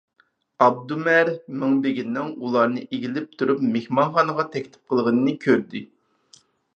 ئابدۇمەر مىڭبېگىنىڭ ئۇلارنى ئېگىلىپ تۇرۇپ مېھمانخانىغا تەكلىپ قىلغىنىنى كۆردى.